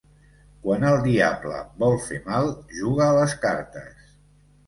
Quan el diable vol fer mal, juga a les cartes.